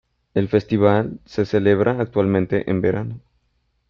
El festival se celebra actualmente en verano.